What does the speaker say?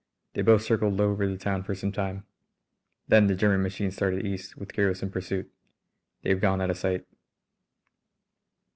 They both circled low over the town for some time. Then the German machine started east with Garros in pursuit. They have gone out of sight.